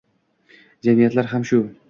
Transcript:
Jamiyatlar ham shu –